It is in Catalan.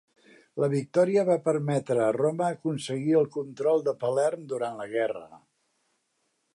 La victòria va permetre a Roma aconseguir el control de Palerm durant la guerra.